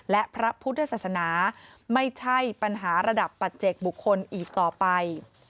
และพระพุทธศาสนาไม่ใช่ปัญหาระดับปัจเจกบุคคลอีกต่อไป